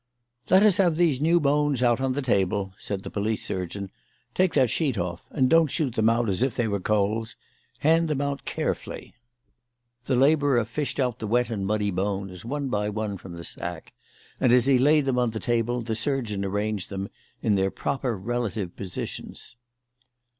"Let us have these new bones out on the table," said the police surgeon. "Take that sheet off, and don't shoot them out as if they were coals. Hand them out carefully." The labourer fished out the wet and muddy bones one by one from the sack, and as he laid them on the table the surgeon arranged them in their proper relative positions.